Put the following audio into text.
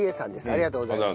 ありがとうございます。